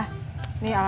jadi ini ga ada kan